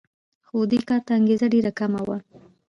خو دې کار ته انګېزه ډېره کمه وه